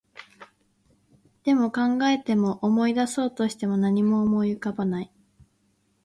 でも、考えても、思い出そうとしても、何も思い浮かばない